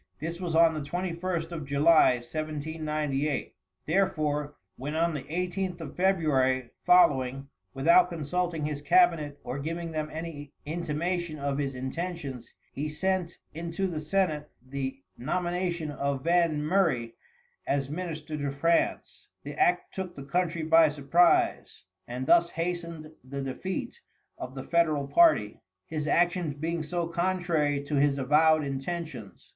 This was on the 21st of July, 1798. Therefore, when on the 18th of February following, without consulting his cabinet or giving them any intimation of his intentions, he sent into the senate the nomination of Van Murray as minister to France, the act took the country by surprise, and thus hastened the defeat of the federal party, his actions being so contrary to his avowed intentions.